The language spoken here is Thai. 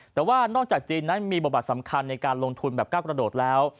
แต่ว่านอกจากจีนนั้นมีบทบาทสำคัญในการลงทุนแบบก้าวกระโดดแล้ว